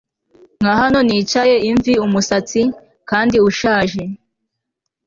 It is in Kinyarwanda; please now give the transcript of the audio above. Nka hano nicaye imviumusatsi kandi ushaje